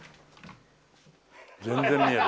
全然見える。